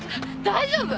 大丈夫？